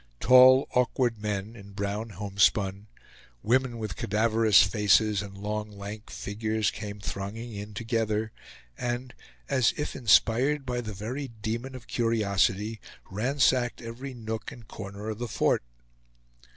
Tall awkward men, in brown homespun; women with cadaverous faces and long lank figures came thronging in together, and, as if inspired by the very demon of curiosity, ransacked every nook and corner of the fort.